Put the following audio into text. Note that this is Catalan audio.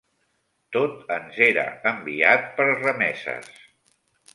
Tot ens era enviat per remeses